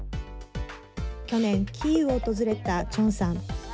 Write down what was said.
去年キーウを訪れたチョンさん。